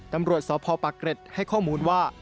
ตำรวจสพปะเกร็ดให้ข้อมูลว่า